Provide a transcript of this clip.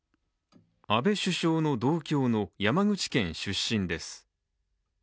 安倍首相の同郷の山口県出身です。